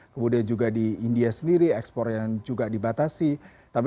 kemudian juga di india sendiri ekspor yang juga dibatasi